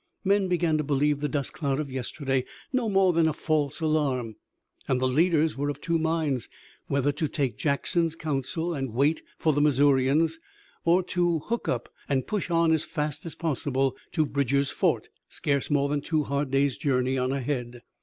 Men began to believe the dust cloud of yesterday no more than a false alarm, and the leaders were of two minds, whether to take Jackson's counsel and wait for the Missourians, or to hook up and push on as fast as possible to Bridger's fort, scarce more than two hard days' journey on ahead.